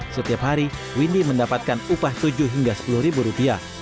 setiap hari windy mendapatkan upah tujuh hingga sepuluh ribu rupiah